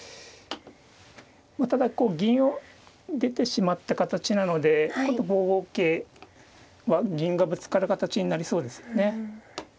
ただこう銀を出てしまった形なので５五桂は銀がぶつかる形になりそうですよね。